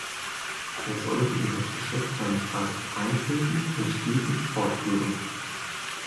Er sollte in das Geschäft seines Vaters eintreten und dieses fortführen.